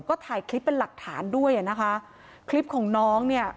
ก็ถ่ายคลิปเป็นหลักฐานด้วยอ่ะนะคะคลิปของน้องเนี่ย